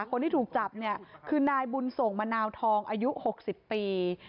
คนที่ถูกจับเนี่ยคือนายบุญส่งมะนาวทองอายุ๖๐ปี